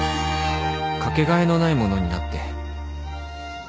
かけがえのないものになって